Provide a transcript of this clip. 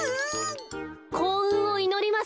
こううんをいのります。